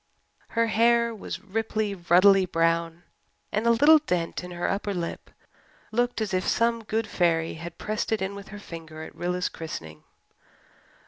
Her hair was ripely, ruddily brown and a little dent in her upper lip looked as if some good fairy had pressed it in with her finger at Rilla's christening.